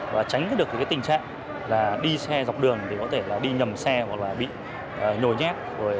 và tránh được tình trạng đi xe dọc đường đi nhầm xe bị nhồi nhét